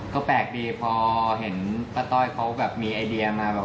ก็แปลกดีพอเห็นพ๊าต้อยเขามีไอเดียมาว่า